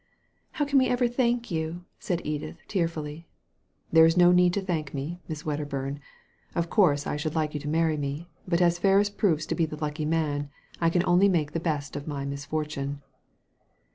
" How can we ever thank you ?" said Edith, tear fully. •* There is no need to thank me, Miss Wedderburn. Of course I should like you to marry me ; but as Ferris proves to be the lucky man, I can only make the best of my misfortune."